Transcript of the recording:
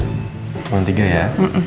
tuhan tiga ya